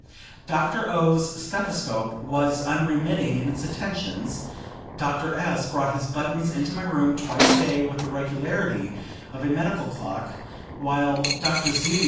Dr. O.'s stethoscope was unremitting in its attentions; Dr. S. brought his buttons into my room twice a day, with the regularity of a medical clock; while Dr. Z.